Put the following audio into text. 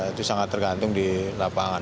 itu sangat tergantung di lapangan